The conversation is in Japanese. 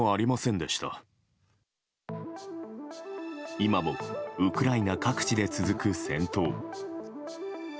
今もウクライナ各地で続く戦闘。